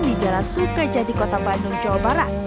di jalan sukajaji kota bandung jawa barat